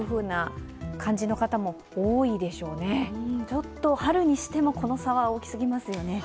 ちょっと春にしても、この差は大きすぎますよね。